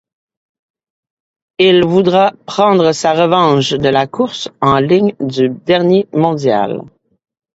Il voudra prendre sa revanche de la course en ligne du dernier mondial.